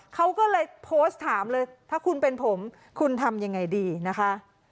เขาก็เลยโพสต์ถามเลยถ้าคุณเป็นผมคุณทำยังไงดีนะคะ